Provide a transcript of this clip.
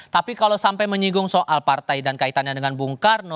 tapi kalau sampai menyinggung soal partai dan kaitannya dengan bung karno